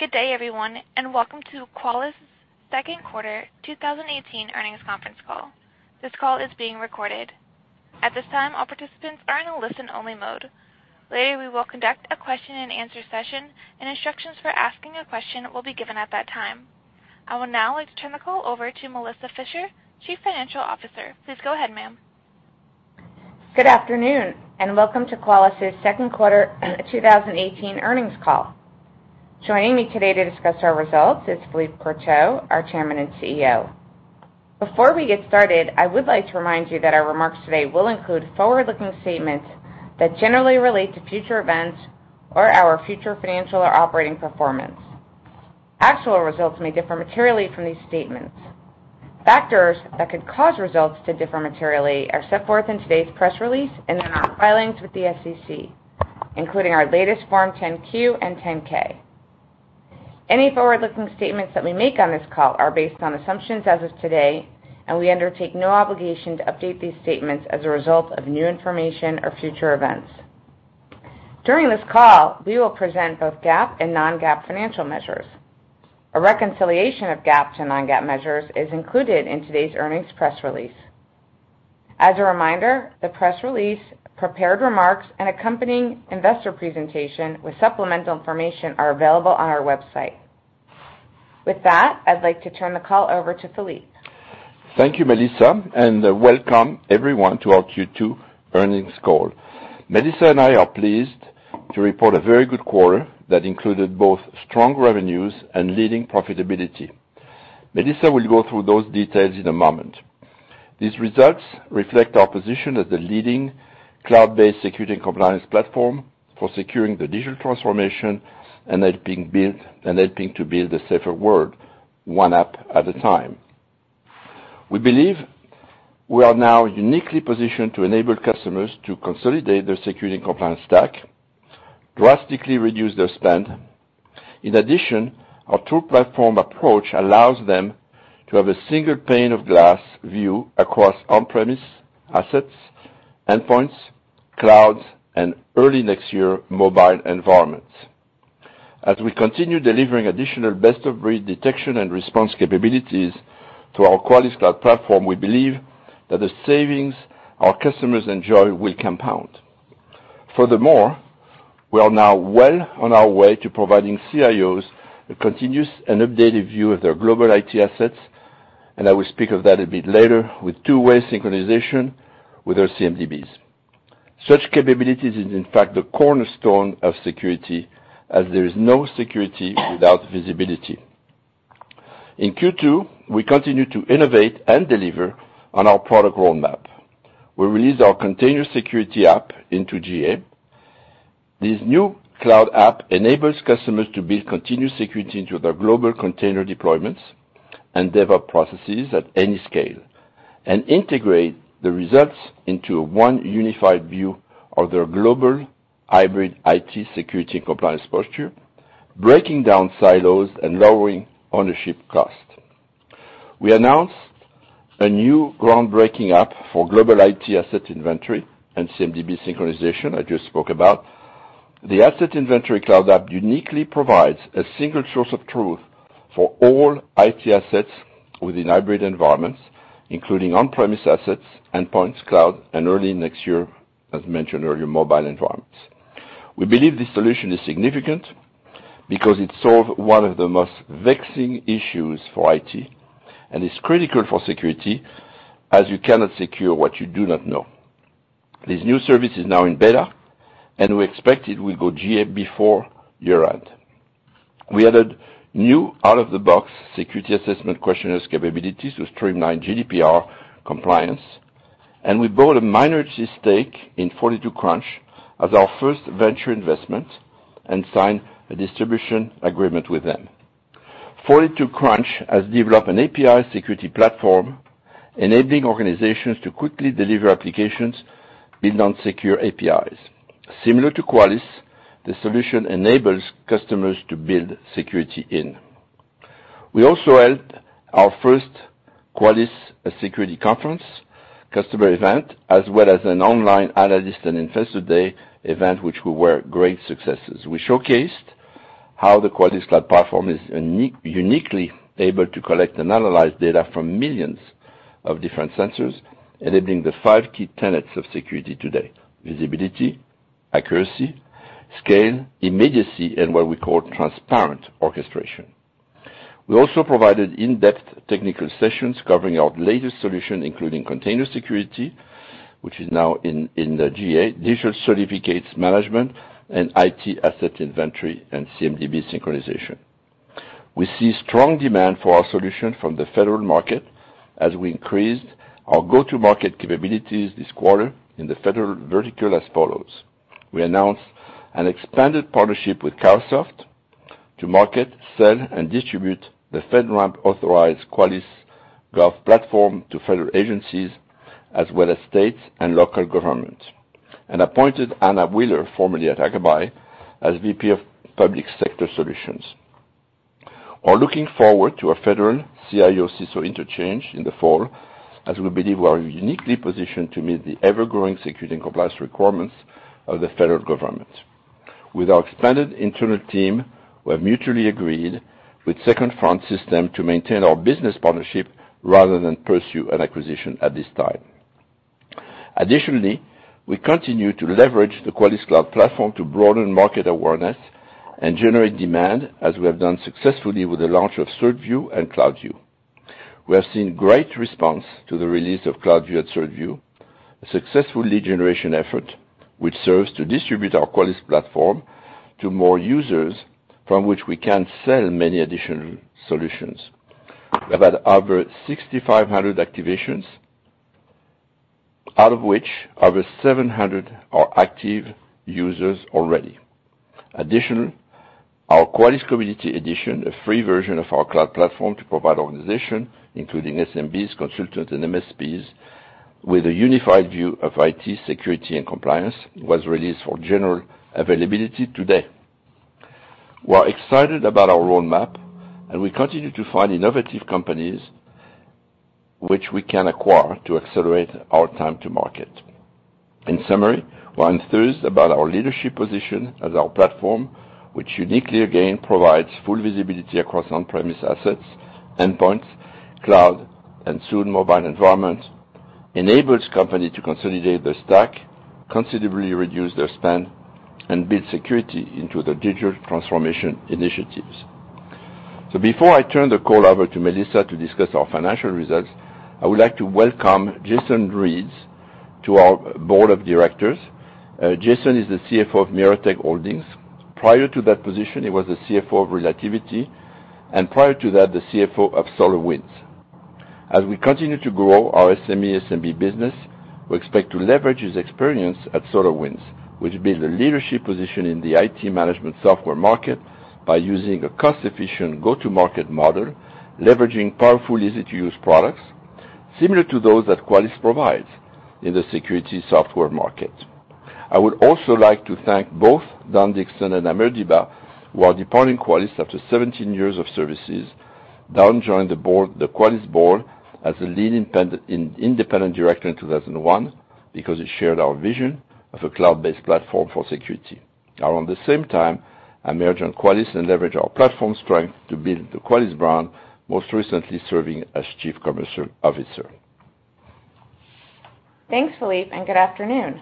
Good day, everyone. Welcome to Qualys' second quarter 2018 earnings conference call. This call is being recorded. At this time, all participants are in a listen-only mode. Later, we will conduct a question and answer session, and instructions for asking a question will be given at that time. I would now like to turn the call over to Melissa Fisher, Chief Financial Officer. Please go ahead, ma'am. Good afternoon. Welcome to Qualys' second quarter 2018 earnings call. Joining me today to discuss our results is Philippe Courtot, our Chairman and CEO. Before we get started, I would like to remind you that our remarks today will include forward-looking statements that generally relate to future events or our future financial or operating performance. Actual results may differ materially from these statements. Factors that could cause results to differ materially are set forth in today's press release and in our filings with the SEC, including our latest Form 10-Q and 10-K. Any forward-looking statements that we make on this call are based on assumptions as of today, and we undertake no obligation to update these statements as a result of new information or future events. During this call, we will present both GAAP and non-GAAP financial measures. A reconciliation of GAAP to non-GAAP measures is included in today's earnings press release. As a reminder, the press release, prepared remarks, and accompanying investor presentation with supplemental information are available on our website. With that, I'd like to turn the call over to Philippe. Thank you, Melissa, and welcome everyone to our Q2 earnings call. Melissa and I are pleased to report a very good quarter that included both strong revenues and leading profitability. Melissa will go through those details in a moment. These results reflect our position as the leading cloud-based security compliance platform for securing the digital transformation and helping to build a safer world, one app at a time. We believe we are now uniquely positioned to enable customers to consolidate their security and compliance stack, drastically reduce their spend. In addition, our tool platform approach allows them to have a single pane of glass view across on-premise assets, endpoints, clouds, and early next year, mobile environments. As we continue delivering additional best-of-breed detection and response capabilities to our Qualys Cloud Platform, we believe that the savings our customers enjoy will compound. Furthermore, we are now well on our way to providing CIOs a continuous and updated view of their global IT assets, and I will speak of that a bit later with two-way synchronization with our CMDBs. Such capabilities is in fact the cornerstone of security as there is no security without visibility. In Q2, we continued to innovate and deliver on our product roadmap. We released our container security app into GA. This new cloud app enables customers to build continuous security into their global container deployments and develop processes at any scale, and integrate the results into one unified view of their global hybrid IT security and compliance posture, breaking down silos and lowering ownership cost. We announced a new groundbreaking app for global IT asset inventory and CMDB synchronization I just spoke about. The asset inventory cloud app uniquely provides a single source of truth for all IT assets within hybrid environments, including on-premise assets, endpoints, cloud, early next year, as mentioned earlier, mobile environments. We believe this solution is significant because it solves one of the most vexing issues for IT and is critical for security as you cannot secure what you do not know. This new service is now in beta, and we expect it will go GA before year-end. We added new out-of-the-box security assessment questionnaires capabilities to streamline GDPR compliance. We bought a minority stake in 42Crunch as our first venture investment and signed a distribution agreement with them. 42Crunch has developed an API security platform enabling organizations to quickly deliver applications built on secure APIs. Similar to Qualys, the solution enables customers to build security in. We also held our first Qualys Security Conference customer event, as well as an online analyst and investor day event, which were great successes. We showcased how the Qualys Cloud Platform is uniquely able to collect and analyze data from millions of different sensors, enabling the five key tenets of security today: visibility, accuracy, scale, immediacy, and what we call transparent orchestration. We also provided in-depth technical sessions covering our latest solution, including container security, which is now in the GA, digital certificates management, and IT asset inventory and CMDB synchronization. We see strong demand for our solution from the federal market as we increased our go-to-market capabilities this quarter in the federal vertical as follows. We announced an expanded partnership with Carahsoft to market, sell, and distribute the FedRAMP-authorized Qualys Gov platform to federal agencies as well as states and local governments. We appointed Anna Wheeler, formerly at Akamai, as VP of Public Sector Solutions. We're looking forward to our federal CIO/CISO interchange in the fall, as we believe we are uniquely positioned to meet the ever-growing security and compliance requirements of the federal government. With our expanded internal team, we have mutually agreed with Second Front Systems to maintain our business partnership rather than pursue an acquisition at this time. Additionally, we continue to leverage the Qualys Cloud Platform to broaden market awareness and generate demand as we have done successfully with the launch of CertView and CloudView. We have seen great response to the release of CloudView and CertView, a successful lead generation effort which serves to distribute our Qualys Cloud Platform to more users from which we can sell many additional solutions. We have had over 6,500 activations, out of which over 700 are active users already. Additionally, our Qualys Community Edition, a free version of our cloud platform to provide organization, including SMBs, consultants, and MSPs with a unified view of IT security and compliance, was released for general availability today. We are excited about our roadmap and we continue to find innovative companies which we can acquire to accelerate our time to market. In summary, we're enthused about our leadership position as our platform, which uniquely, again, provides full visibility across on-premise assets, endpoints, cloud, and soon mobile environments, enables company to consolidate their stack, considerably reduce their spend, and build security into their digital transformation initiatives. Before I turn the call over to Melissa to discuss our financial results, I would like to welcome Jason Ream to our board of directors. Jason is the CFO of Miratech Holdings. Prior to that position, he was the CFO of Relativity, and prior to that, the CFO of SolarWinds. As we continue to grow our SME/SMB business, we expect to leverage his experience at SolarWinds, which built a leadership position in the IT management software market by using a cost-efficient go-to-market model, leveraging powerful, easy-to-use products similar to those that Qualys provides in the security software market. I would also like to thank both Don Dixon and Amer Deeba, who are departing Qualys after 17 years of services. Don joined the Qualys board as the lead independent director in 2001 because he shared our vision of a cloud-based platform for security. Around the same time, Amer joined Qualys and leveraged our platform strength to build the Qualys brand, most recently serving as Chief Commercial Officer. Thanks, Philippe, and good afternoon.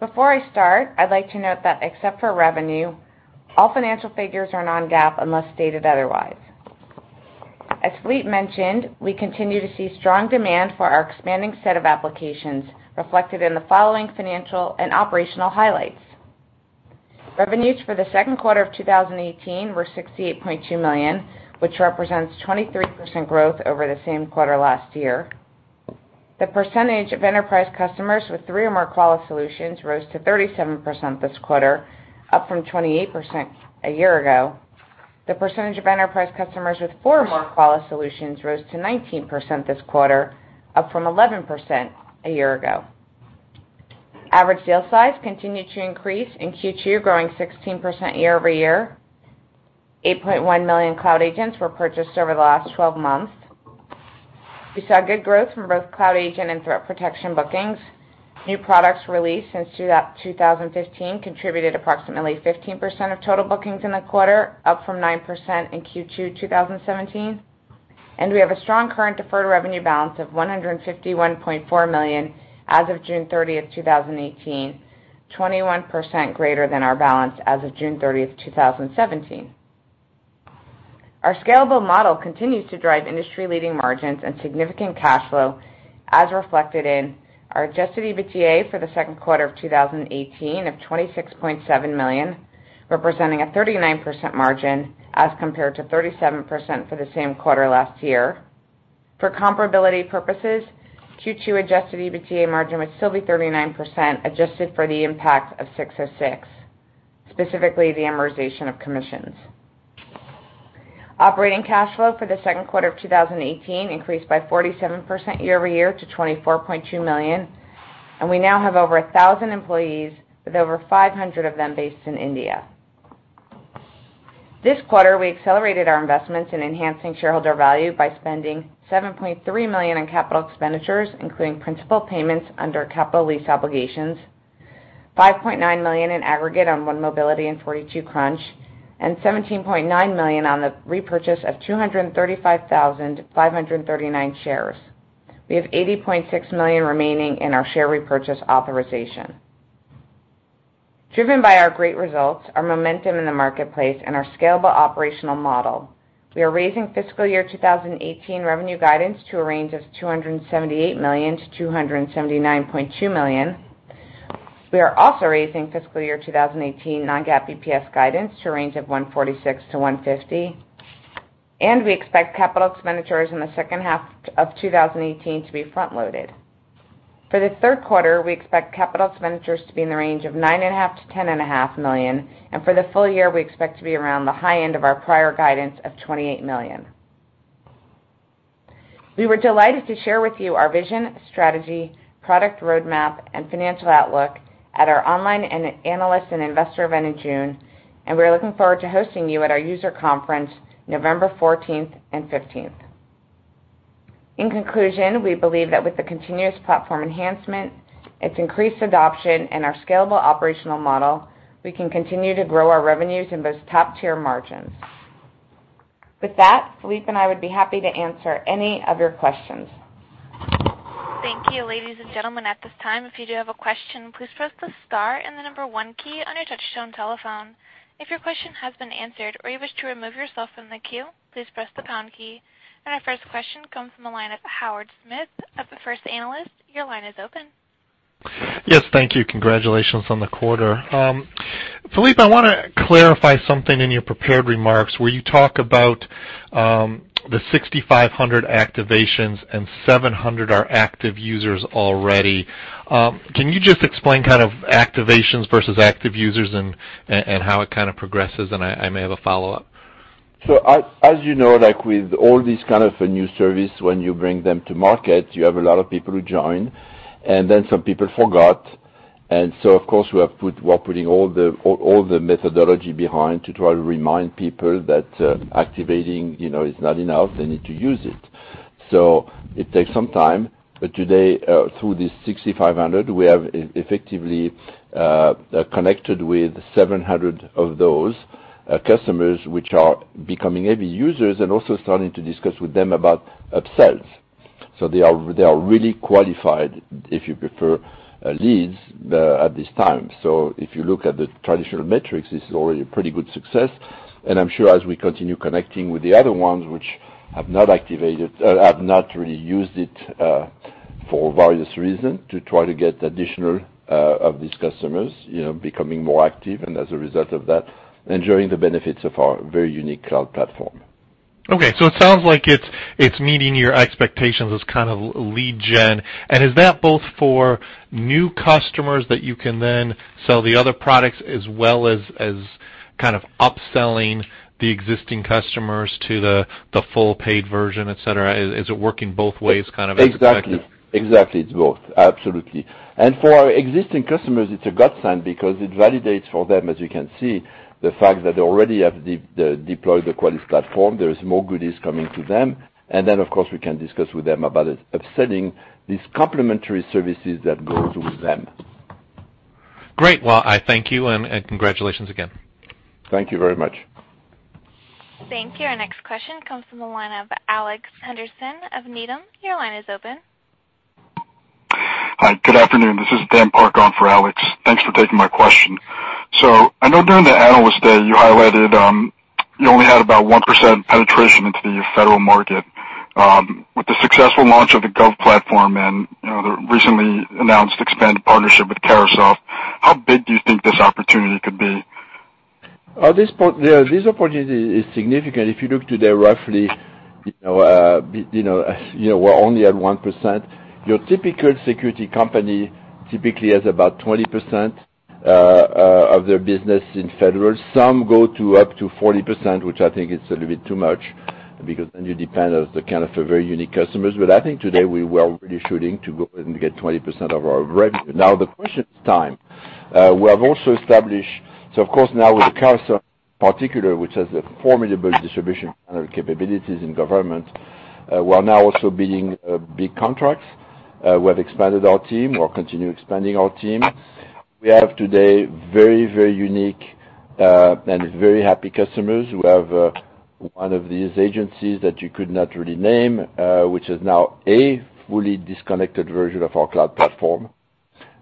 Before I start, I'd like to note that except for revenue, all financial figures are non-GAAP unless stated otherwise. As Philippe mentioned, we continue to see strong demand for our expanding set of applications, reflected in the following financial and operational highlights. Revenues for the second quarter of 2018 were $68.2 million, which represents 23% growth over the same quarter last year. The percentage of enterprise customers with three or more Qualys solutions rose to 37% this quarter, up from 28% a year ago. The percentage of enterprise customers with four or more Qualys solutions rose to 19% this quarter, up from 11% a year ago. Average sale size continued to increase in Q2, growing 16% year-over-year. 8.1 million Cloud Agents were purchased over the last 12 months. We saw good growth from both Cloud Agent and Threat Protection bookings. New products released since 2015 contributed approximately 15% of total bookings in the quarter, up from 9% in Q2 2017. We have a strong current deferred revenue balance of $151.4 million as of June 30th, 2018, 21% greater than our balance as of June 30th, 2017. Our scalable model continues to drive industry-leading margins and significant cash flow, as reflected in our adjusted EBITDA for the second quarter of 2018 of $26.7 million, representing a 39% margin as compared to 37% for the same quarter last year. For comparability purposes, Q2 adjusted EBITDA margin would still be 39% adjusted for the impact of ASC 606, specifically the amortization of commissions. Operating cash flow for the second quarter of 2018 increased by 47% year-over-year to $24.2 million, and we now have over 1,000 employees, with over 500 of them based in India. This quarter, we accelerated our investments in enhancing shareholder value by spending $7.3 million in capital expenditures, including principal payments under capital lease obligations, $5.9 million in aggregate on 1Mobility and 42Crunch, and $17.9 million on the repurchase of 235,539 shares. We have $80.6 million remaining in our share repurchase authorization. Driven by our great results, our momentum in the marketplace, and our scalable operational model, we are raising fiscal year 2018 revenue guidance to a range of $278 million-$279.2 million. We are also raising fiscal year 2018 non-GAAP EPS guidance to a range of $1.46-$1.50, and we expect capital expenditures in the second half of 2018 to be front-loaded. For the third quarter, we expect capital expenditures to be in the range of $9.5 million-$10.5 million, and for the full year, we expect to be around the high end of our prior guidance of $28 million. We were delighted to share with you our vision, strategy, product roadmap, and financial outlook at our online analyst and investor event in June, and we're looking forward to hosting you at our user conference, November 14th and 15th. In conclusion, we believe that with the continuous platform enhancement, its increased adoption, and our scalable operational model, we can continue to grow our revenues and boost top-tier margins. With that, Philippe and I would be happy to answer any of your questions. Thank you. Ladies and gentlemen, at this time, if you do have a question, please press the star and the number 1 key on your touchtone telephone. If your question has been answered or you wish to remove yourself from the queue, please press the pound key. Our first question comes from the line of Howard Smith of First Analysis. Your line is open. Yes. Thank you. Congratulations on the quarter. Philippe, I want to clarify something in your prepared remarks where you talk about the 6,500 activations and 700 are active users already. Can you just explain activations versus active users and how it progresses? I may have a follow-up. As you know, with all these kinds of new services when you bring them to market, you have a lot of people who join, some people forgot. Of course, we are putting all the methodology behind to try to remind people that activating is not enough. They need to use it. It takes some time. Today, through this 6,500, we have effectively connected with 700 of those customers, which are becoming heavy users and also starting to discuss with them about upsells. They are really qualified, if you prefer, leads at this time. If you look at the traditional metrics, this is already a pretty good success. I'm sure as we continue connecting with the other ones which have not really used it for various reasons to try to get additional of these customers becoming more active, and as a result of that, enjoying the benefits of our very unique cloud platform. Okay. It sounds like it's meeting your expectations as lead gen. Is that both for new customers that you can then sell the other products as well as upselling the existing customers to the full paid version, et cetera? Is it working both ways as expected? Exactly. It's both. Absolutely. For our existing customers, it's a godsend because it validates for them, as you can see, the fact that they already have deployed the Qualys platform. There is more goodies coming to them. Then, of course, we can discuss with them about upselling these complementary services that go with them. Great. Well, I thank you, and congratulations again. Thank you very much. Thank you. Our next question comes from the line of Alex Henderson of Needham. Your line is open. Hi. Good afternoon. This is Dan Park on for Alex. Thanks for taking my question. I know during the analyst day, you highlighted you only had about 1% penetration into the federal market. With the successful launch of the Gov Platform and the recently announced expanded partnership with Carahsoft, how big do you think this opportunity could be? This opportunity is significant. If you look today, roughly, we are only at 1%. Your typical security company typically has about 20% of their business in federal. Some go to up to 40%, which I think is a little bit too much because then you depend on very unique customers. I think today we are really shooting to go ahead and get 20% of our revenue. Now, the question is time. We have also established, so of course, now with Carahsoft in particular, which has formidable distribution channel capabilities in government, we are now also bidding big contracts. We have expanded our team. We will continue expanding our team. We have today very unique and very happy customers who have one of these agencies that you could not really name, which is now a fully disconnected version of our cloud platform.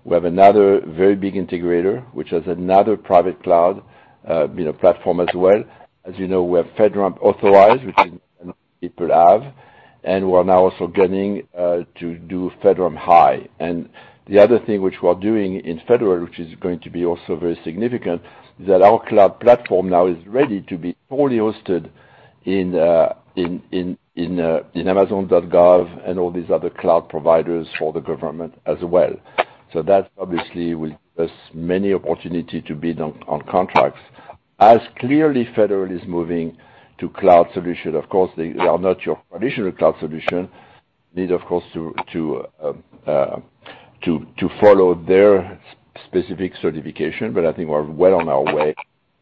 We have another very big integrator, which has another private cloud platform as well. As you know, we are FedRAMP authorized, which is people have, and we are now also gunning to do FedRAMP High. The other thing which we are doing in federal, which is going to be also very significant, is that our cloud platform now is ready to be fully hosted in amazon.gov and all these other cloud providers for the government as well. That obviously will give us many opportunities to bid on contracts. Clearly federal is moving to cloud solution, of course, they are not your traditional cloud solution, need, of course, to follow their specific certification, but I think we are well on our way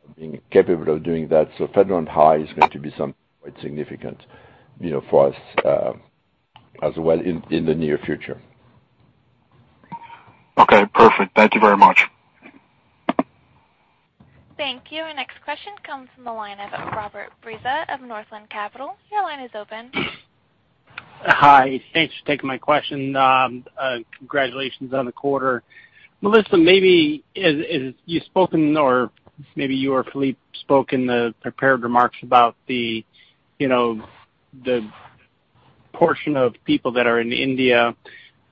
of being capable of doing that. FedRAMP High is going to be something quite significant for us as well in the near future. Okay, perfect. Thank you very much. Thank you. Our next question comes from the line of Robert Breza of Northland Capital. Your line is open. Hi. Thanks for taking my question. Congratulations on the quarter. Melissa, maybe as you've spoken, or maybe you or Philippe spoke in the prepared remarks about the portion of people that are in India.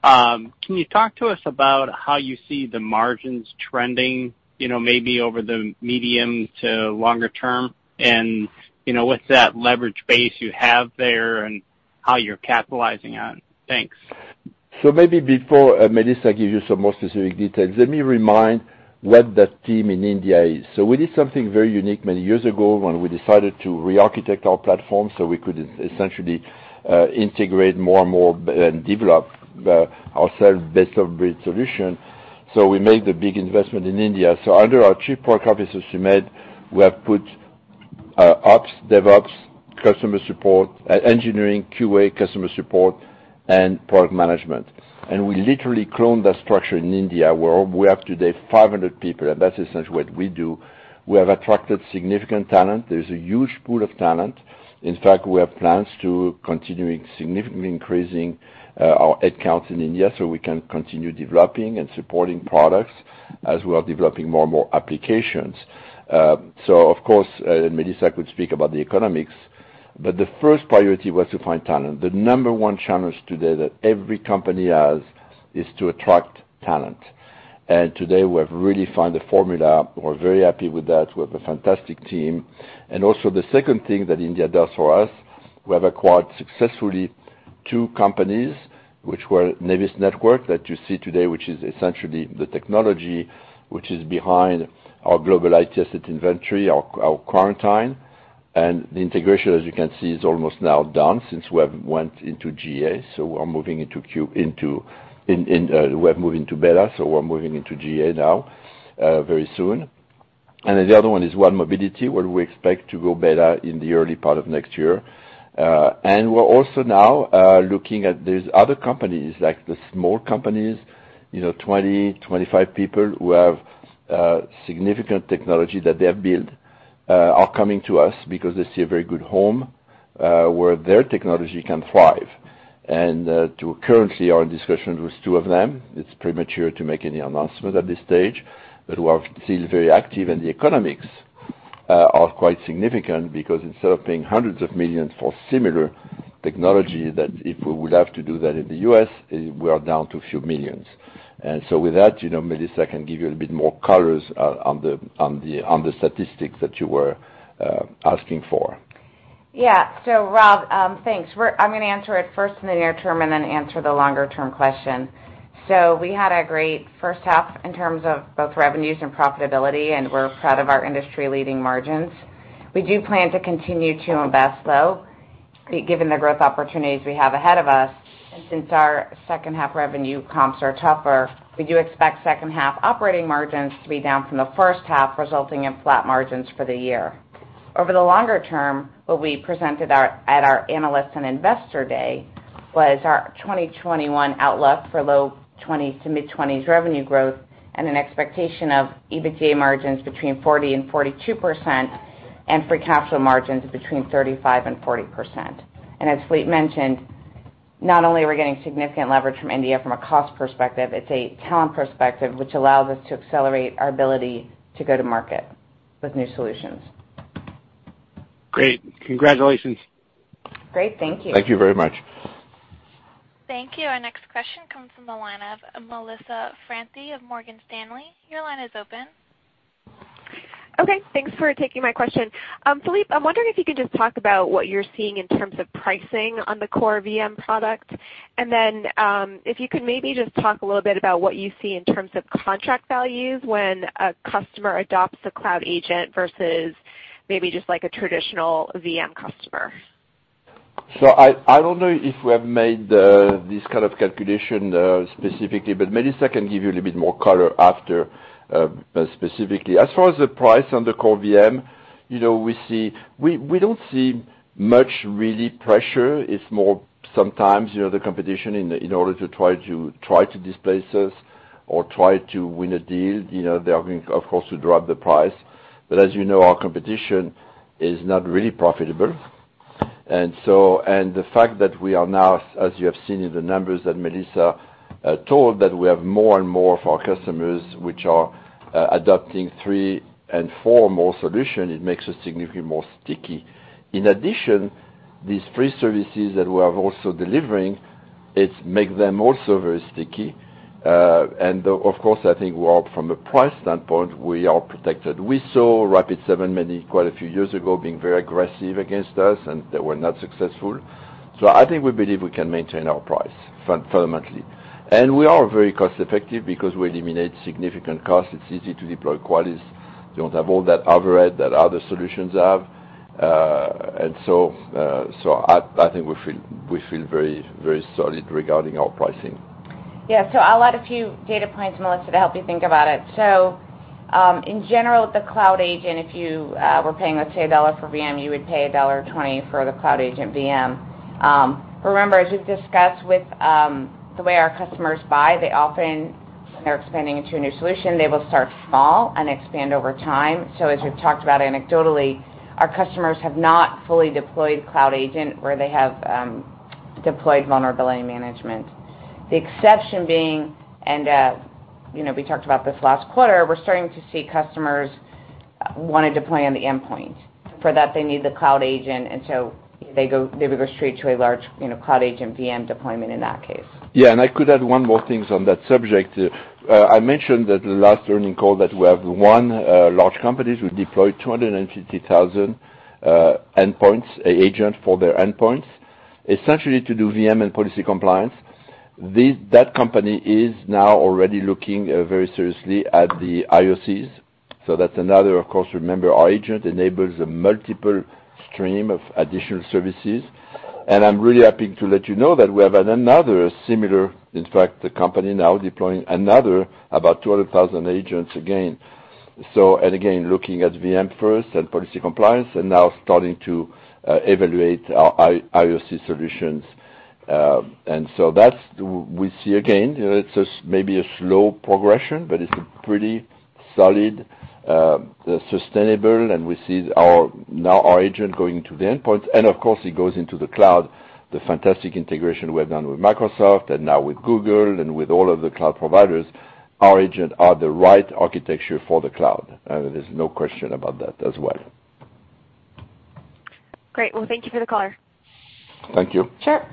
Can you talk to us about how you see the margins trending maybe over the medium to longer term, and with that leverage base you have there and how you're capitalizing on it? Thanks. Maybe before Melissa gives you some more specific details, let me remind what the team in India is. We did something very unique many years ago when we decided to re-architect our platform so we could essentially integrate more and more and develop our self best-of-breed solution. We made the big investment in India. Under our Chief Product Officer, Sumedh, we have put ops, DevOps, customer support, engineering, QA, customer support, and product management. We literally cloned that structure in India, where we have today 500 people, and that's essentially what we do. We have attracted significant talent. There's a huge pool of talent. In fact, we have plans to continuing significantly increasing our headcounts in India so we can continue developing and supporting products as we are developing more and more applications. Of course, Melissa could speak about the economics, but the first priority was to find talent. The number 1 challenge today that every company has is to attract talent. Today, we have really found a formula. We're very happy with that. We have a fantastic team. Also, the second thing that India does for us, we have acquired successfully two companies, which were Nevis Networks that you see today, which is essentially the technology which is behind our global IT asset inventory, our quarantine. The integration, as you can see, is almost now done since we have went into GA. We're moving into beta, we're moving into GA now very soon. The other one is 1Mobility, where we expect to go beta in the early part of next year. We're also now looking at these other companies, like the small companies, 20, 25 people who have significant technology that they have built are coming to us because they see a very good home where their technology can thrive. Currently are in discussions with two of them. It's premature to make any announcement at this stage, but we are still very active, and the economics are quite significant because instead of paying hundreds of millions for similar technology that if we would have to do that in the U.S., we are down to a few millions. With that, Melissa can give you a bit more colors on the statistics that you were asking for. Rob, thanks. I'm going to answer it first in the near term and then answer the longer-term question. We had a great first half in terms of both revenues and profitability, and we're proud of our industry-leading margins. We do plan to continue to invest, though, given the growth opportunities we have ahead of us. Since our second half revenue comps are tougher, we do expect second half operating margins to be down from the first half, resulting in flat margins for the year. Over the longer term, what we presented at our Analyst and Investor Day was our 2021 outlook for low 20s to mid-20s revenue growth and an expectation of EBITDA margins between 40%-42%, and free capital margins between 35%-40%. As Philippe mentioned, not only are we getting significant leverage from India from a cost perspective, it's a talent perspective which allows us to accelerate our ability to go to market with new solutions. Great. Congratulations. Great. Thank you. Thank you very much. Thank you. Our next question comes from the line of Melissa Franchi of Morgan Stanley. Your line is open. Okay. Thanks for taking my question. Philippe, I'm wondering if you could just talk about what you're seeing in terms of pricing on the core VM product. If you could maybe just talk a little bit about what you see in terms of contract values when a customer adopts a Cloud Agent versus maybe just like a traditional VM customer. I don't know if we have made this kind of calculation specifically, but Melissa can give you a little bit more color after specifically. As far as the price on the core VM, we don't see much really pressure. It's more sometimes the competition in order to try to displace us or try to win a deal, they are going, of course, to drop the price. As you know, our competition is not really profitable. The fact that we are now, as you have seen in the numbers that Melissa told, that we have more and more of our customers which are adopting three and four more solutions, it makes us significantly more sticky. In addition, these free services that we are also delivering, it make them also very sticky. Of course, I think from a price standpoint, we are protected. We saw Rapid7 many quite a few years ago being very aggressive against us, they were not successful. I think we believe we can maintain our price fundamentally. We are very cost-effective because we eliminate significant costs. It's easy to deploy Qualys. You don't have all that overhead that other solutions have. I think we feel very solid regarding our pricing. I'll add a few data points, Melissa, to help you think about it. In general, the Cloud Agent, if you were paying, let's say, $1 per VM, you would pay $1.20 for the Cloud Agent VM. Remember, as we've discussed with the way our customers buy, they often, when they're expanding into a new solution, they will start small and expand over time. As we've talked about anecdotally, our customers have not fully deployed Cloud Agent where they have deployed vulnerability management. The exception being, we talked about this last quarter, we're starting to see customers want to deploy on the endpoint. For that, they need the Cloud Agent, they would go straight to a large Cloud Agent VM deployment in that case. I could add one more thing on that subject. I mentioned that the last earnings call that we have one large company who deployed 250,000 endpoints, agent for their endpoints, essentially to do VM and policy compliance. That company is now already looking very seriously at the IOCs. That's another, of course, remember our agent enables a multiple stream of additional services. I'm really happy to let you know that we have another similar, in fact, the company now deploying another about 200,000 agents again. Again, looking at VM first and policy compliance, and now starting to evaluate our IOC solutions. That we see again, it's maybe a slow progression, but it's a pretty solid, sustainable, and we see now our agent going to the endpoint. Of course, it goes into the cloud, the fantastic integration we have done with Microsoft and now with Google and with all of the cloud providers, our agent are the right architecture for the cloud. There's no question about that as well. Great. Well, thank you for the color. Thank you. Sure.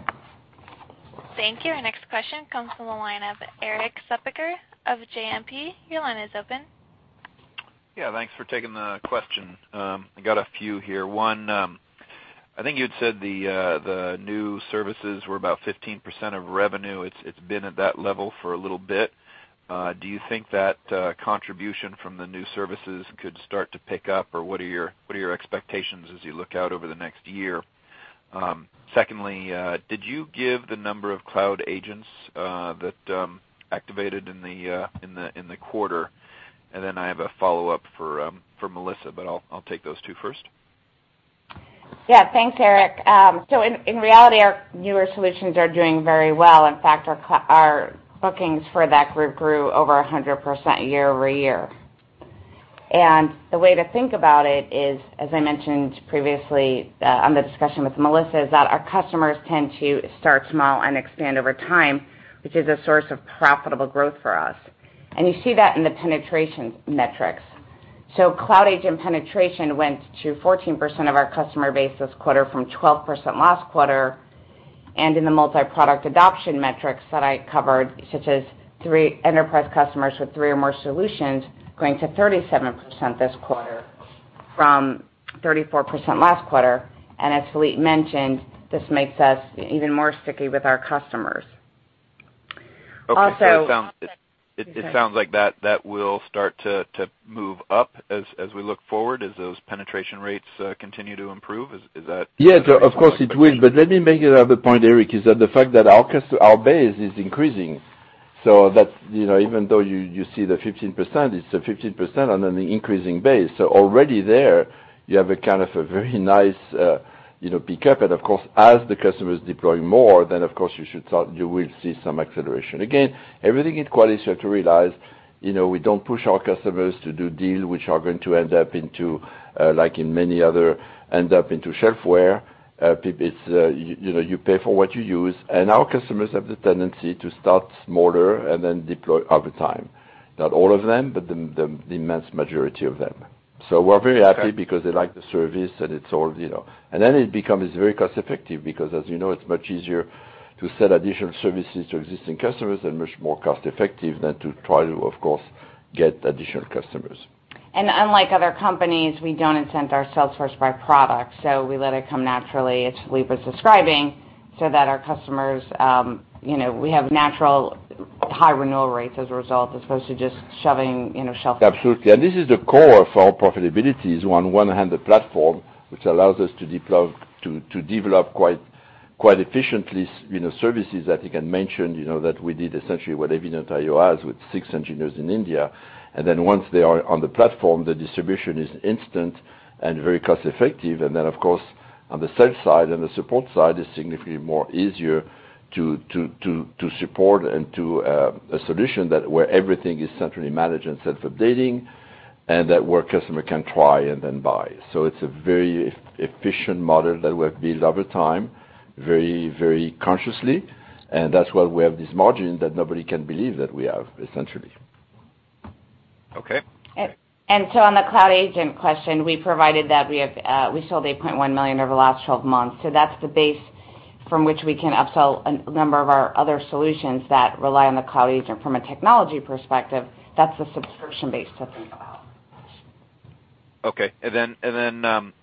Thank you. Our next question comes from the line of Erik Suppiger of JMP. Your line is open. Thanks for taking the question. I got a few here. One, I think you had said the new services were about 15% of revenue. It's been at that level for a little bit. Do you think that contribution from the new services could start to pick up or what are your expectations as you look out over the next year? Secondly, did you give the number of Cloud Agents that activated in the quarter? Then I have a follow-up for Melissa, but I'll take those two first. Thanks, Erik. In reality, our newer solutions are doing very well. In fact, our bookings for that group grew over 100% year-over-year. The way to think about it is, as I mentioned previously on the discussion with Melissa, is that our customers tend to start small and expand over time, which is a source of profitable growth for us. You see that in the penetration metrics. Cloud Agent penetration went to 14% of our customer base this quarter from 12% last quarter. In the multi-product adoption metrics that I covered, such as enterprise customers with three or more solutions going to 37% this quarter from 34% last quarter. As Philippe mentioned, this makes us even more sticky with our customers. It sounds like that will start to move up as we look forward, as those penetration rates continue to improve. Yes, of course it will. Let me make another point, Erik, is that the fact that our base is increasing. Even though you see the 15%, it's a 15% on an increasing base. Already there, you have a kind of a very nice pickup. Of course, as the customers deploy more, of course you will see some acceleration. Again, everything in Qualys you have to realize, we don't push our customers to do deals which are going to end up into, like in many other, end up into shelfware. You pay for what you use, our customers have the tendency to start smaller and then deploy over time. Not all of them, but the immense majority of them. We're very happy because they like the service, and then it becomes very cost-effective because as you know, it's much easier to sell additional services to existing customers and much more cost-effective than to try to, of course, get additional customers. Unlike other companies, we don't incent our sales force by product, so we let it come naturally, as Philippe was describing, so that our customers, we have natural high renewal rates as a result, as opposed to just shoving shelfware. Absolutely. This is the core for our profitability is on one hand the platform, which allows us to develop quite efficiently services that you can mention, that we did essentially what Evident.io has with six engineers in India. Then once they are on the platform, the distribution is instant and very cost-effective. Then of course on the sales side and the support side, it's significantly more easier to support and to a solution that where everything is centrally managed and self-updating, and that where customer can try and then buy. It's a very efficient model that we have built over time very, very consciously. That's why we have this margin that nobody can believe that we have, essentially. Okay. On the Cloud Agent question, we provided that we sold 8.1 million over the last 12 months. That's the base from which we can upsell a number of our other solutions that rely on the Cloud Agent from a technology perspective. That's the subscription base that we sell. Then,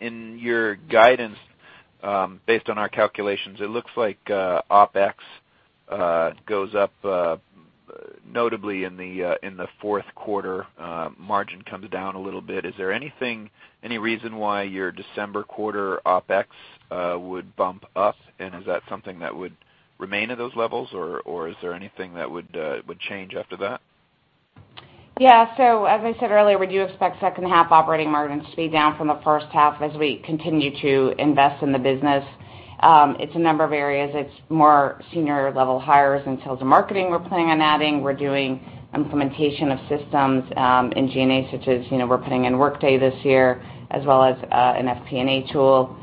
in your guidance, based on our calculations, it looks like OpEx goes up notably in the fourth quarter, margin comes down a little bit. Is there any reason why your December quarter OpEx would bump up? Is that something that would remain at those levels, or is there anything that would change after that? Yeah. As I said earlier, we do expect second half operating margins to be down from the first half as we continue to invest in the business. It's a number of areas. It's more senior level hires in sales and marketing we're planning on adding. We're doing implementation of systems in G&A such as, we're putting in Workday this year as well as an FP&A tool.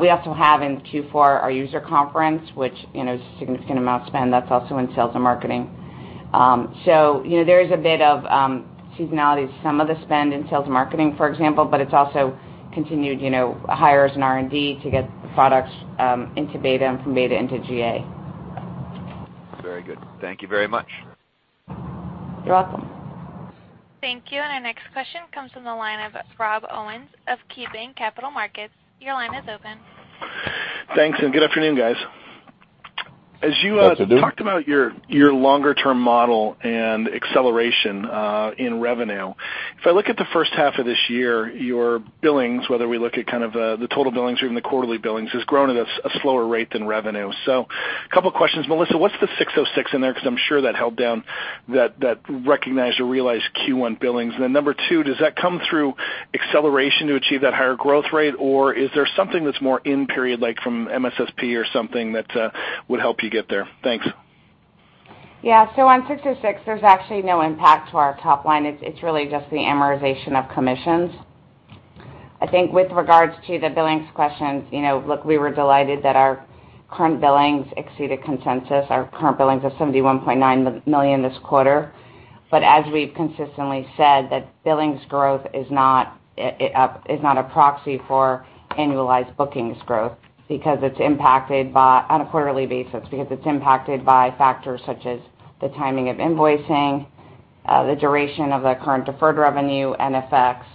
We also have in Q4 our user conference, which is a significant amount spent that's also in sales and marketing. There is a bit of seasonality to some of the spend in sales and marketing, for example, but it's also continued hires in R&D to get products into beta and from beta into GA. Very good. Thank you very much. You're welcome. Thank you. Our next question comes from the line of Rob Owens of KeyBanc Capital Markets. Your line is open. Thanks, good afternoon, guys. Good afternoon. As you talked about your longer-term model and acceleration in revenue, if I look at the first half of this year, your billings, whether we look at kind of the total billings or even the quarterly billings, has grown at a slower rate than revenue. A couple questions. Melissa, what's the 606 in there? Because I'm sure that held down that recognized or realized Q1 billings. Then number 2, does that come through acceleration to achieve that higher growth rate, or is there something that's more in period, like from MSSP or something that would help you get there? Thanks. Yeah. On ASC 606, there's actually no impact to our top line. It's really just the amortization of commissions. I think with regards to the billings questions, look, we were delighted that our current billings exceeded consensus. Our current billings are $71.9 million this quarter. As we've consistently said, that billings growth is not a proxy for annualized bookings growth on a quarterly basis, because it's impacted by factors such as the timing of invoicing, the duration of the current deferred revenue, and effects.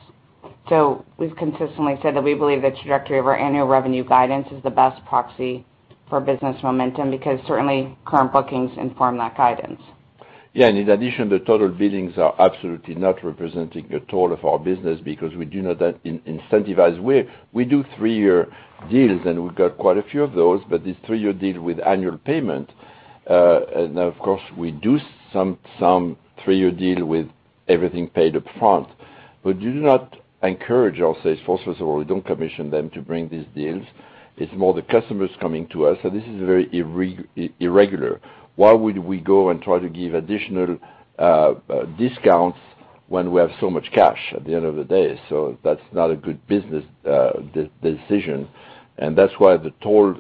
We've consistently said that we believe the trajectory of our annual revenue guidance is the best proxy for business momentum, because certainly current bookings inform that guidance. Yeah. In addition, the total billings are absolutely not representing the total of our business because we do not incentivize. We do three-year deals, and we've got quite a few of those, but it's three-year deal with annual payment. Of course, we do some three-year deal with everything paid upfront. You do not encourage our sales force, first of all, we don't commission them to bring these deals. It's more the customers coming to us. This is very irregular. Why would we go and try to give additional discounts when we have so much cash at the end of the day? That's not a good business decision. That's why the total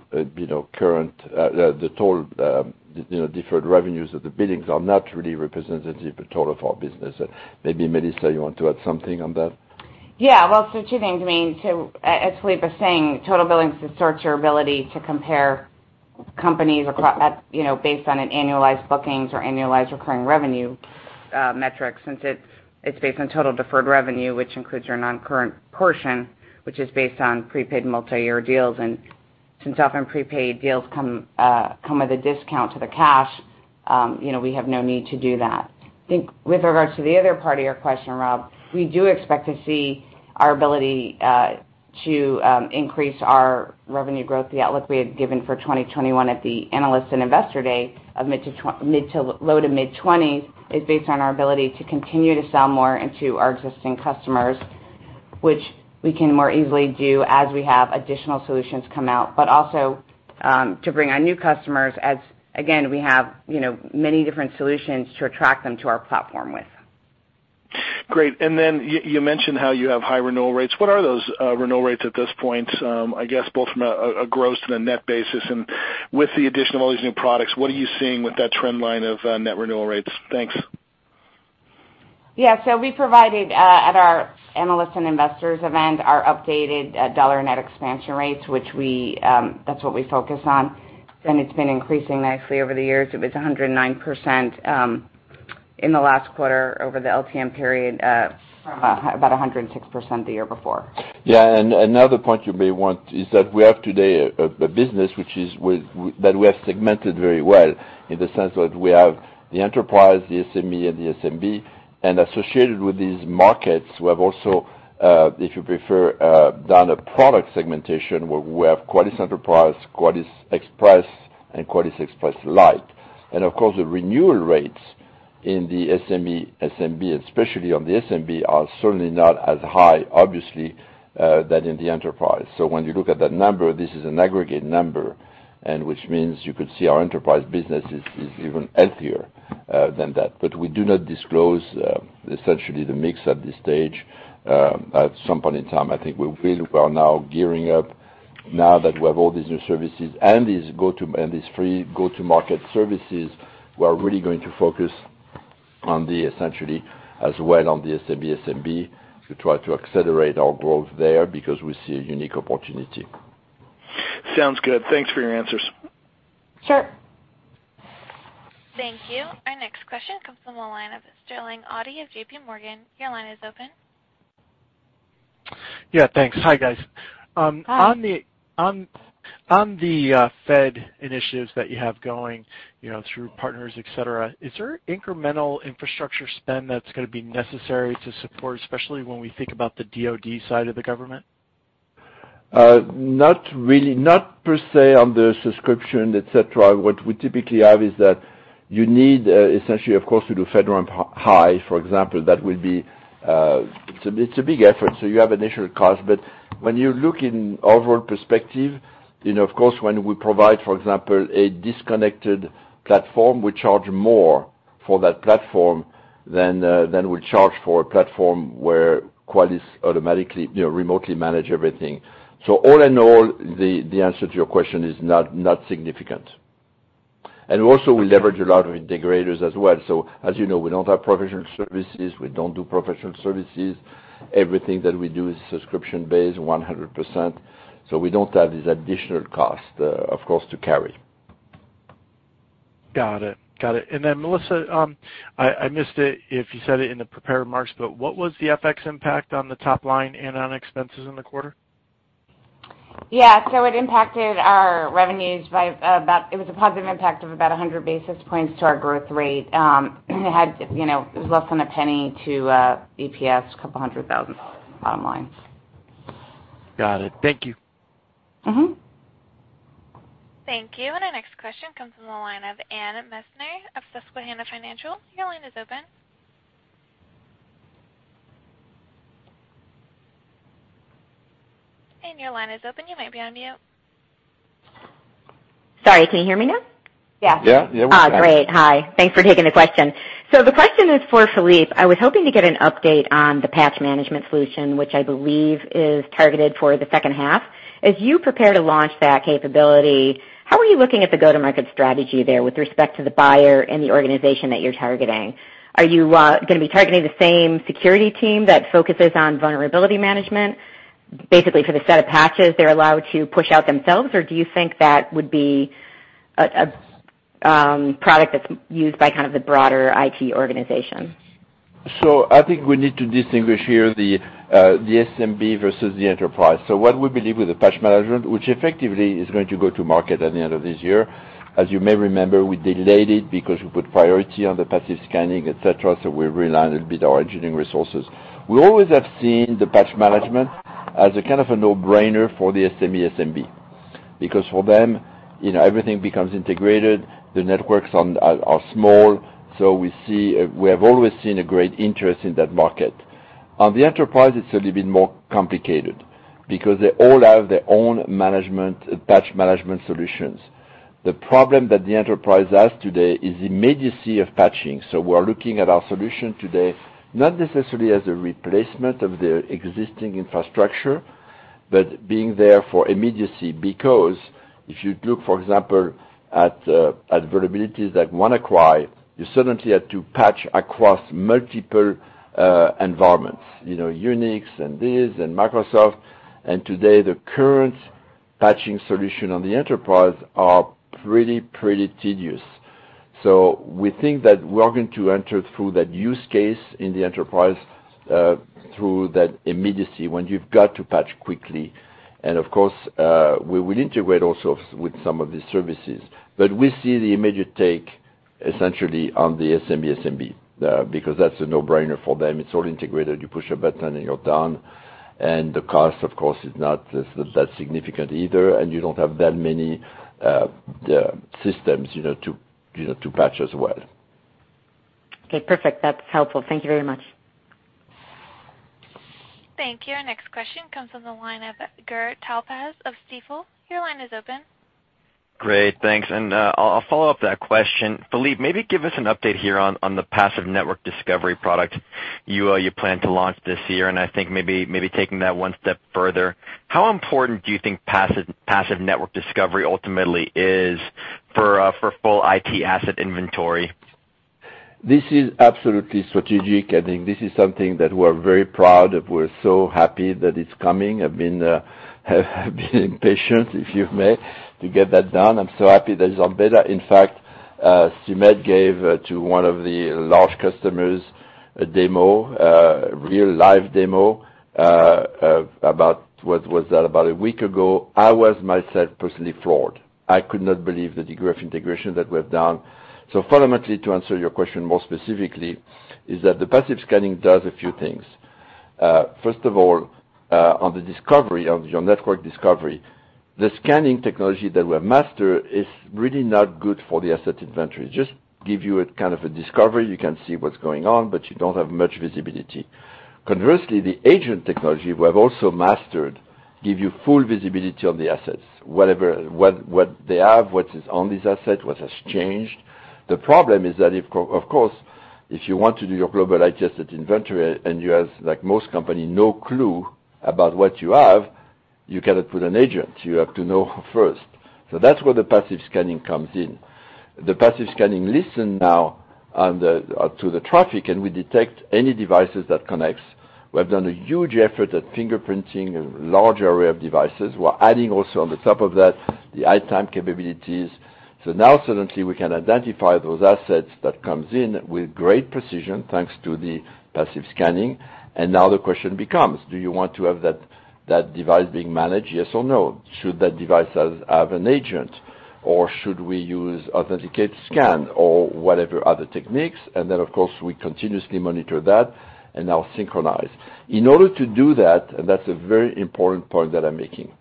deferred revenues of the billings are not really representative of the total of our business. And maybe, Melissa, you want to add something on that? Yeah. Well, two things. As Philippe was saying, total billings distorts your ability to compare companies based on an annualized bookings or annualized recurring revenue metric, since it's based on total deferred revenue, which includes your non-current portion, which is based on prepaid multi-year deals. Since often prepaid deals come with a discount to the cash, we have no need to do that. I think with regards to the other part of your question, Rob, we do expect to see our ability to increase our revenue growth, the outlook we had given for 2021 at the analysts and investor day of mid to low to mid 20%, is based on our ability to continue to sell more into our existing customers, which we can more easily do as we have additional solutions come out, but also to bring on new customers as, again, we have many different solutions to attract them to our platform with. Great. Then you mentioned how you have high renewal rates. What are those renewal rates at this point? I guess both from a gross and a net basis, and with the addition of all these new products, what are you seeing with that trend line of net renewal rates? Thanks. Yeah. We provided, at our analysts and investors event, our updated dollar net expansion rates, that's what we focus on. It's been increasing nicely over the years. It was 109% in the last quarter over the LTM period, from about 106% the year before. Yeah. Another point you may want is that we have today a business that we have segmented very well in the sense that we have the enterprise, the SME, and the SMB. Associated with these markets, we have also, if you prefer, done a product segmentation where we have Qualys Enterprise, Qualys Express, and Qualys Express Lite. Of course, the renewal rates in the SME, SMB, especially on the SMB, are certainly not as high, obviously, than in the enterprise. When you look at that number, this is an aggregate number, which means you could see our enterprise business is even healthier than that. We do not disclose, essentially, the mix at this stage. At some point in time, I think we are now gearing up now that we have all these new services and these free go-to-market services, we are really going to focus on the, essentially, as well on the SME, SMB to try to accelerate our growth there because we see a unique opportunity. Sounds good. Thanks for your answers. Sure. Thank you. Our next question comes from the line of Sterling Auty of J.P. Morgan. Your line is open. Yeah, thanks. Hi, guys. Hi. On the Fed initiatives that you have going through partners, et cetera, is there incremental infrastructure spend that's going to be necessary to support, especially when we think about the DoD side of the government? Not per se on the subscription, et cetera. What we typically have is that you need, essentially, of course, to do FedRAMP High, for example. It's a big effort, so you have initial cost. When you look in overall perspective, of course, when we provide, for example, a disconnected platform, we charge more for that platform than we charge for a platform where Qualys automatically, remotely manage everything. All in all, the answer to your question is not significant. Also, we leverage a lot of integrators as well. As you know, we don't have professional services. We don't do professional services. Everything that we do is subscription-based 100%. We don't have these additional cost, of course, to carry. Got it. Then Melissa, I missed it if you said it in the prepared remarks, but what was the FX impact on the top line and on expenses in the quarter? Yeah. It was a positive impact of about 100 basis points to our growth rate. It was less than a penny to EPS, a couple hundred thousand USD bottom line. Got it. Thank you. Thank you. Our next question comes from the line of Anne Meisner of Susquehanna Financial. Your line is open. Your line is open. You might be on mute. Sorry, can you hear me now? Yes. Yeah, we can. Oh, great. Hi. Thanks for taking the question. The question is for Philippe. I was hoping to get an update on the Patch Management solution, which I believe is targeted for the second half. As you prepare to launch that capability, how are you looking at the go-to-market strategy there with respect to the buyer and the organization that you're targeting? Are you going to be targeting the same security team that focuses on vulnerability management, basically for the set of patches they're allowed to push out themselves, or do you think that would be a product that's used by kind of the broader IT organization? I think we need to distinguish here the SMB versus the enterprise. What we believe with the patch management, which effectively is going to go to market at the end of this year. As you may remember, we delayed it because we put priority on the passive scanning, et cetera, so we realigned a bit our engineering resources. We always have seen the patch management as a kind of a no-brainer for the SME, SMB, because for them, everything becomes integrated. The networks are small. We have always seen a great interest in that market. On the enterprise, it's a little bit more complicated because they all have their own patch management solutions. The problem that the enterprise has today is immediacy of patching. We're looking at our solution today, not necessarily as a replacement of their existing infrastructure, but being there for immediacy. If you look, for example, at vulnerabilities like WannaCry, you suddenly had to patch across multiple environments, Unix and this and Microsoft. Today, the current patching solution on the enterprise are pretty tedious. We think that we're going to enter through that use case in the enterprise, through that immediacy, when you've got to patch quickly. Of course, we will integrate also with some of these services. We see the immediate take essentially on the SMB, because that's a no-brainer for them. It's all integrated. You push a button, and you're done. The cost, of course, is not that significant either, and you don't have that many systems to patch as well. Okay, perfect. That's helpful. Thank you very much. Thank you. Our next question comes from the line of Gur Talpaz of Stifel. Your line is open. Great. Thanks. I'll follow up that question. Philippe, maybe give us an update here on the passive network discovery product you plan to launch this year, and I think maybe taking that one step further, how important do you think passive network discovery ultimately is for full IT asset inventory? This is absolutely strategic. I think this is something that we're very proud of. We're so happy that it's coming. I've been patient, if you may, to get that done. I'm so happy that it's on beta. In fact, Sumedh gave to one of the large customers a demo, a real live demo, about a week ago. I was myself personally floored. I could not believe the degree of integration that we have done. Fundamentally, to answer your question more specifically, is that the passive scanning does a few things. First of all, on the discovery, on your network discovery, the scanning technology that we have mastered is really not good for the asset inventory. Just give you a kind of a discovery. You can see what's going on, but you don't have much visibility. Conversely, the agent technology we have also mastered give you full visibility on the assets, what they have, what is on this asset, what has changed. The problem is that if, of course, if you want to do your global IT asset inventory and you have, like most company, no clue about what you have, you cannot put an agent. You have to know first. That's where the passive scanning comes in. The passive scanning listen now to the traffic, and we detect any devices that connects. We have done a huge effort at fingerprinting a large array of devices. We're adding also on the top of that, the ITAM capabilities. Now suddenly we can identify those assets that comes in with great precision, thanks to the passive scanning. Now the question becomes, do you want to have that device being managed, yes or no? Should that device have an agent, or should we use authenticated scan or whatever other techniques? Then, of course, we continuously monitor that and now synchronize. In order to do that's a very important point that I'm making.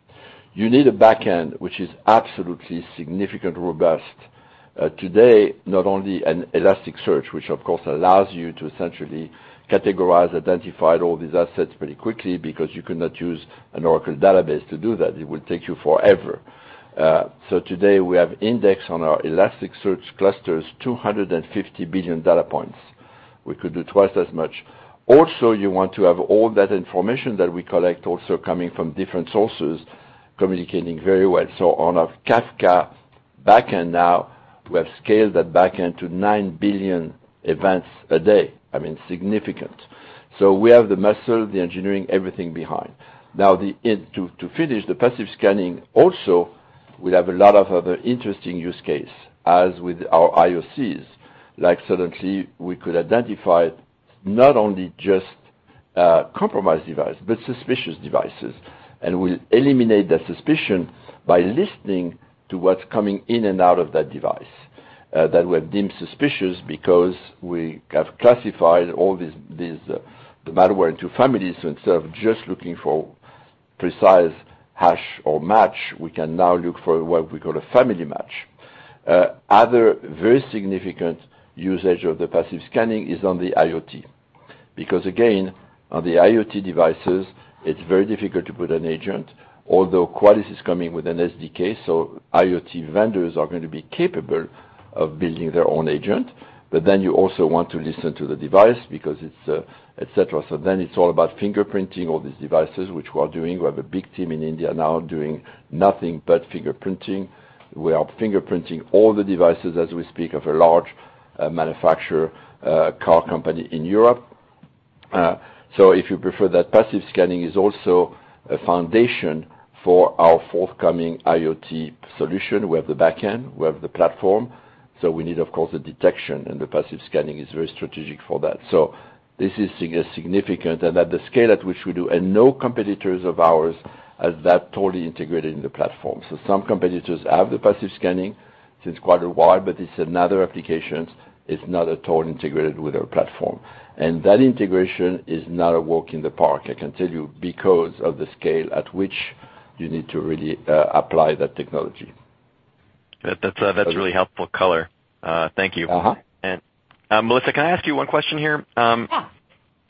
You need a backend, which is absolutely significant, robust. Today, not only an Elasticsearch, which of course, allows you to essentially categorize, identify all these assets pretty quickly because you could not use an Oracle database to do that. It would take you forever. Today we have index on our Elasticsearch clusters, 250 billion data points. We could do twice as much. Also, you want to have all that information that we collect also coming from different sources, communicating very well. On our Kafka backend now, we have scaled that backend to 9 billion events a day. Significant. We have the muscle, the engineering, everything behind. To finish the passive scanning also, we have a lot of other interesting use case, as with our IOCs, like suddenly we could identify not only just compromised device, but suspicious devices, and we'll eliminate that suspicion by listening to what's coming in and out of that device that were deemed suspicious because we have classified all the malware into families. Instead of just looking for precise hash or match, we can now look for what we call a family match. Other very significant usage of the passive scanning is on the IoT, because again, on the IoT devices, it's very difficult to put an agent, although Qualys is coming with an SDK, IoT vendors are going to be capable of building their own agent. You also want to listen to the device because it's, et cetera. It's all about fingerprinting all these devices, which we are doing. We have a big team in India now doing nothing but fingerprinting. We are fingerprinting all the devices as we speak of a large manufacturer, car company in Europe. If you prefer that passive scanning is also a foundation for our forthcoming IoT solution. We have the backend, we have the platform, we need, of course, the detection, and the passive scanning is very strategic for that. This is significant and at the scale at which we do, and no competitors of ours has that totally integrated in the platform. Some competitors have the passive scanning since quite a while, but it's another application. It's not at all integrated with our platform. That integration is not a walk in the park, I can tell you, because of the scale at which you need to really apply that technology. That's really helpful color. Thank you. Melissa, can I ask you one question here? Yeah.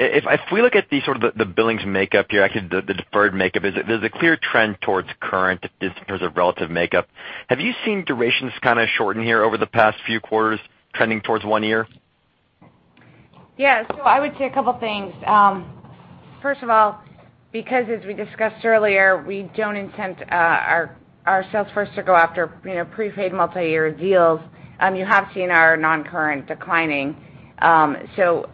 If we look at the billings makeup here, actually the deferred makeup, there's a clear trend towards current in terms of relative makeup. Have you seen durations shorten here over the past few quarters trending towards one year? I would say a couple things. First of all, because as we discussed earlier, we don't intend our sales force to go after prepaid multi-year deals, you have seen our non-current declining. As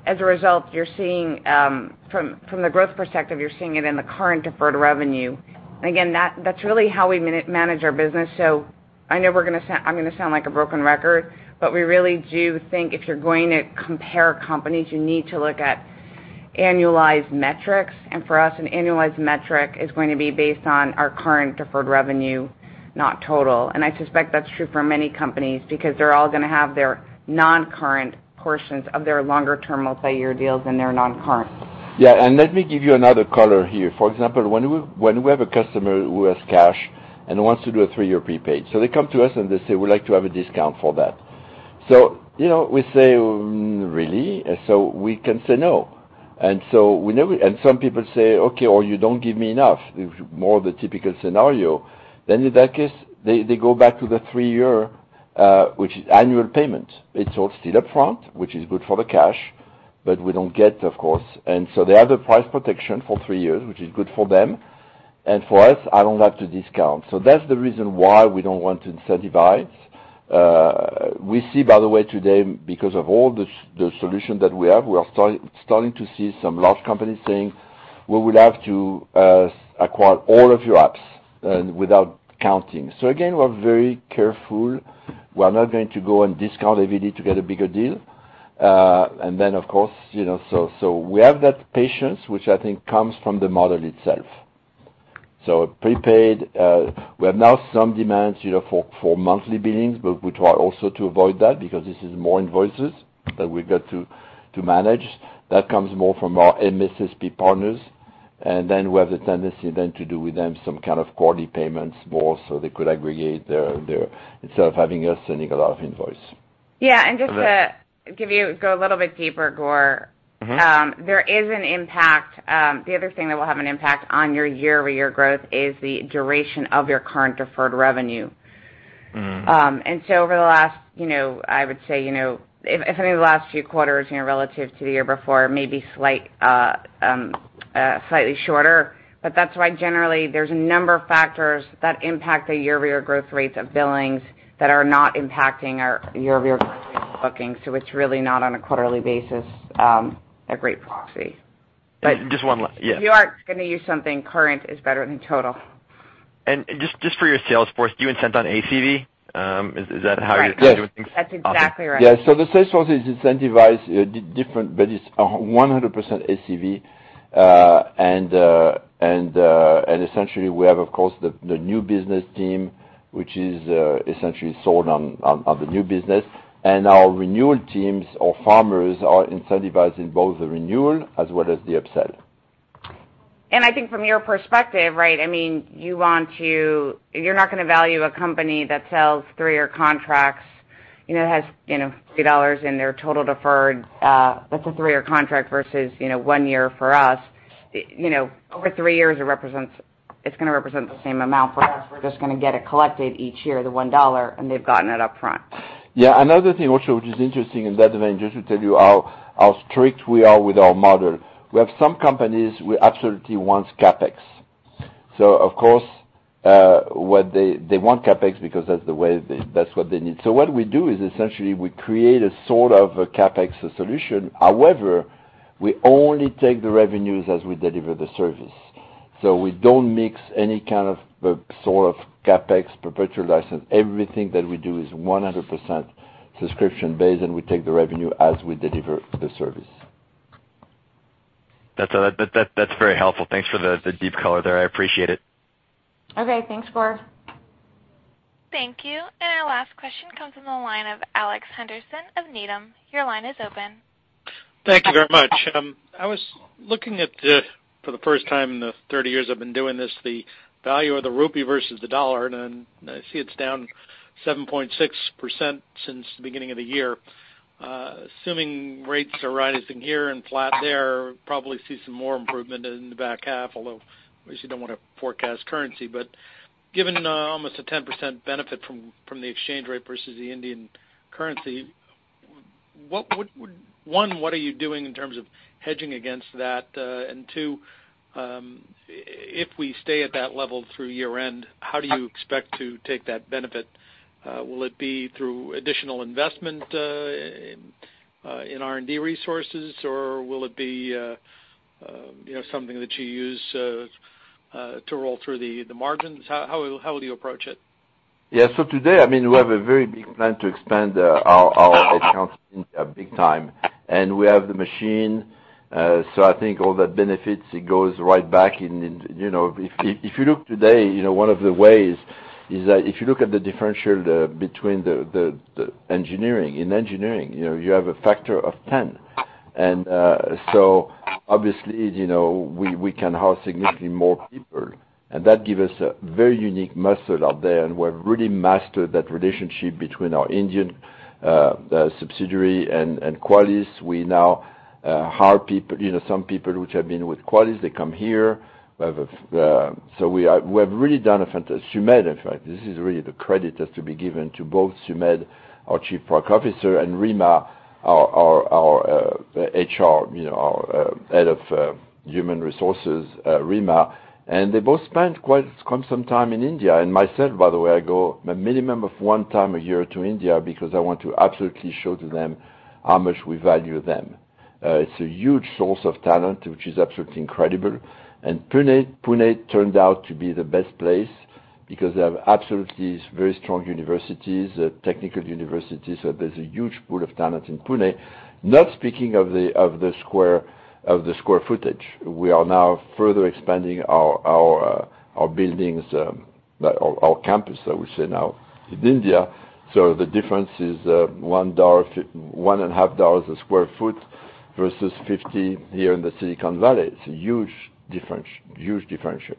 a result, from the growth perspective, you're seeing it in the current deferred revenue. Again, that's really how we manage our business. I know I'm going to sound like a broken record, but we really do think if you're going to compare companies, you need to look at annualized metrics. For us, an annualized metric is going to be based on our current deferred revenue, not total. I suspect that's true for many companies because they're all going to have their non-current portions of their longer-term multi-year deals and their non-current. Let me give you another color here. For example, when we have a customer who has cash and wants to do a three-year prepaid, they come to us and they say, "We'd like to have a discount for that." We say, "Really?" We can say no. Some people say, "Okay," or, "You don't give me enough," is more of the typical scenario. In that case, they go back to the three-year, which is annual payment. It's all still up front, which is good for the cash, but we don't get, of course. They have the price protection for three years, which is good for them, and for us, I don't have to discount. That's the reason why we don't want to incentivize. We see, by the way, today, because of all the solution that we have, we are starting to see some large companies saying, "We would like to acquire all of your apps and without counting." Again, we're very careful. We are not going to go and discount AVD to get a bigger deal. We have that patience, which I think comes from the model itself. Prepaid, we have now some demands for monthly billings, but we try also to avoid that because this is more invoices that we've got to manage. That comes more from our MSSP partners. We have the tendency then to do with them some kind of quarterly payments more so they could aggregate their, instead of having us sending a lot of invoices. Yeah. Just to go a little bit deeper, Gur. The other thing that will have an impact on your year-over-year growth is the duration of your current deferred revenue. Over the last few quarters, relative to the year before, maybe slightly shorter, but that's why generally there's a number of factors that impact the year-over-year growth rates of billings that are not impacting our year-over-year growth rate bookings, so it's really not on a quarterly basis, a great proxy. Just one last, yeah. If you are going to use something current is better than total. Just for your sales force, do you incent on ACV? Is that how you're doing things? That's exactly right. Yeah. The sales force is incentivized different, but it's 100% ACV. Essentially we have, of course, the new business team, which is essentially sold on the new business. Our renewal teams or farmers are incentivized in both the renewal as well as the upsell. I think from your perspective, you're not going to value a company that sells 3-year contracts, has $3 in their total deferred. That's a 3-year contract versus one year for us. Over 3 years, it's going to represent the same amount for us. We're just going to get it collected each year, the $1, and they've gotten it upfront. Yeah. Another thing also, which is interesting in that event, just to tell you how strict we are with our model. We have some companies who absolutely wants CapEx. Of course, they want CapEx because that's what they need. What we do is essentially we create a sort of a CapEx solution. However, we only take the revenues as we deliver the service. We don't mix any sort of CapEx perpetual license. Everything that we do is 100% subscription-based, and we take the revenue as we deliver the service. That's very helpful. Thanks for the deep color there. I appreciate it. Okay. Thanks, Gur. Thank you. Our last question comes from the line of Alex Henderson of Needham. Your line is open. Thank you very much. I was looking at the, for the first time in the 30 years I've been doing this, the value of the rupee versus the dollar, I see it's down 7.6% since the beginning of the year. Assuming rates are rising here and flat there, probably see some more improvement in the back half, although obviously don't want to forecast currency. Given almost a 10% benefit from the exchange rate versus the Indian currency, one, what are you doing in terms of hedging against that? Two, if we stay at that level through year-end, how do you expect to take that benefit? Will it be through additional investment in R&D resources, or will it be something that you use to roll through the margins? How will you approach it? Yeah. Today, we have a very big plan to expand our accounts big time. We have the machine, I think all the benefits, it goes right back. If you look today, one of the ways is that if you look at the differential between in engineering, you have a factor of 10. Obviously, we can hire significantly more people. That give us a very unique muscle out there, we've really mastered that relationship between our Indian subsidiary and Qualys. We now hire some people which have been with Qualys, they come here. We have really done a fantastic, Sumedh, in fact, this is really the credit that's to be given to both Sumedh, our Chief Product Officer, and Rima, our head of human resources, Rima. They both spent quite some time in India. Myself, by the way, I go a minimum of one time a year to India because I want to absolutely show to them how much we value them. It's a huge source of talent, which is absolutely incredible. Pune turned out to be the best place because they have absolutely very strong universities, technical universities. There's a huge pool of talent in Pune. Not speaking of the square footage. We are now further expanding our buildings, our campus that we say now in India. The difference is $1.5 a square foot versus $50 here in the Silicon Valley. It's a huge differentiator.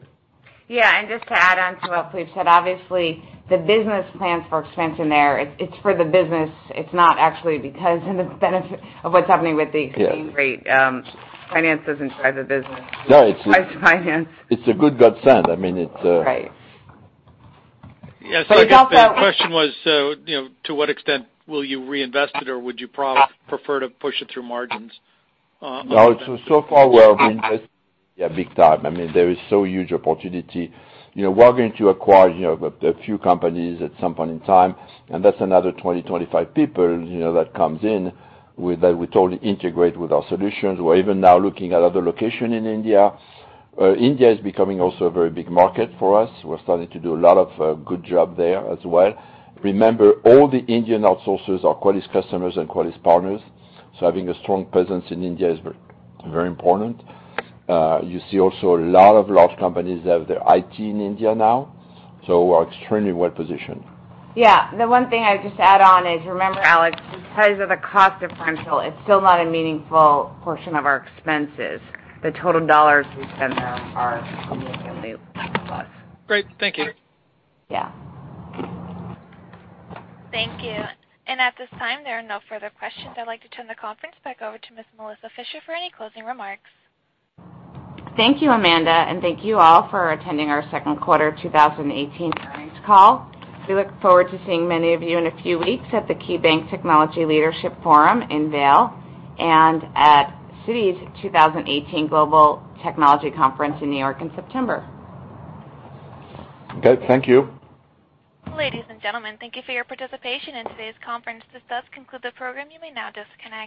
Yeah. Just to add on to what Philippe said, obviously the business plans for expansion there, it's for the business. It's not actually because of its benefit of what's happening with the exchange rate. Finance doesn't drive the business. No. It drives finance. It's a good godsend. I mean, Right. Yeah. I guess the question was, to what extent will you reinvest it or would you prefer to push it through margins? No. So far we're reinvest, yeah, big time. There is so huge opportunity. We're going to acquire a few companies at some point in time, and that's another 20, 25 people that comes in that we totally integrate with our solutions. We're even now looking at other location in India. India is becoming also a very big market for us. We're starting to do a lot of good job there as well. Remember, all the Indian outsourcers are Qualys customers and Qualys partners, so having a strong presence in India is very important. You see also a lot of large companies have their IT in India now, so we're extremely well-positioned. Yeah. The one thing I'd just add on is, remember, Alex, the size of the cost differential, it's still not a meaningful portion of our expenses. The total dollars we spend there are meaningfully less than us. Great. Thank you. Yeah. Thank you. At this time, there are no further questions. I'd like to turn the conference back over to Ms. Melissa Fisher for any closing remarks. Thank you, Amanda, and thank you all for attending our second quarter 2018 earnings call. We look forward to seeing many of you in a few weeks at the KeyBanc Technology Leadership Forum in Vail and at Citi's 2018 Global Technology Conference in New York in September. Okay, thank you. Ladies and gentlemen, thank you for your participation in today's conference. This does conclude the program. You may now disconnect.